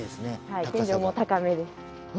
はい天井も高めです。